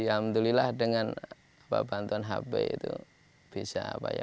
alhamdulillah dengan bantuan hp itu bisa apa ya